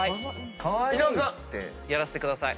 やらせてください。